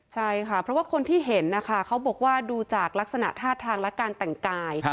ใช่ค่ะเพราะว่าคนที่เห็นนะคะเขาบอกว่าดูจากลักษณะท่าทางและการแต่งกาย